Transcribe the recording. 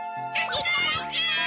いただきます！